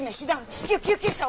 至急救急車を。